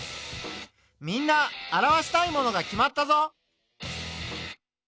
みんな表したいものが決まったぞ。